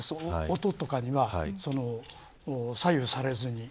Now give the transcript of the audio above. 音とかには左右されずに。